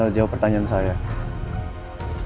aduh sih tak nangis lagi